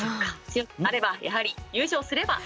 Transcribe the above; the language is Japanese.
強くなればやはり優勝すれば。